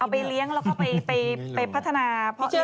เอาไปเลี้ยงแล้วก็ไปพัฒนา